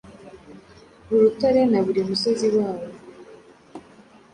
Urutare na buri musozi wawo,